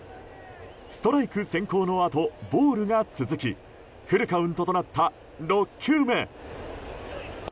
ストライク先行のあとボールが続きフルカウントとなった６球目。